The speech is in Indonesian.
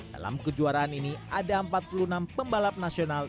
dalam kejuaraan ini ada empat puluh enam pembalap nasional